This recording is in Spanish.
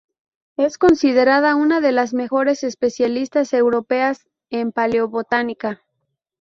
Es considerada una de las mejores especialistas europeas en Paleobotánica.